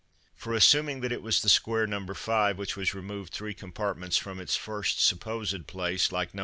For assuming that it was the square No. 5 which was removed three compartments from its first supposed place, like No.